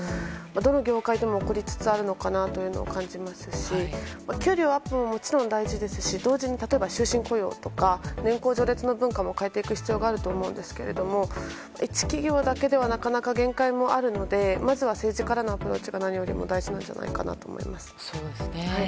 どの業界でも起こりつつあるのかなと感じますし給料アップももちろん大事ですし同時に終身雇用とか年功序列の文化も変えていく必要があると思うんですけど一企業だけではなかなか限界もあるのでまずは政治からのアプローチが何よりも大事なんじゃないかなと思います。